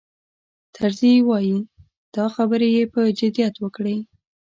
طرزي وایي دا خبرې یې په جدیت وکړې.